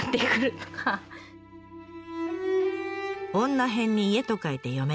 「女偏」に「家」と書いて「嫁」。